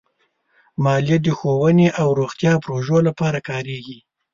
مالیه د ښوونې او روغتیا پروژو لپاره کارېږي.